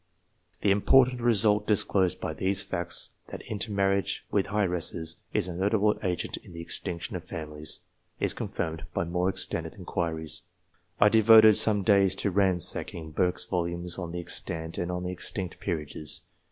The important result disclosed by these facts, that inter marriage with heiresses is a notable agent in the extinction of families, is confirmed by more extended inquiries. I devoted some days to ransacking Burke's volumes on the extant and on the extinct peerages.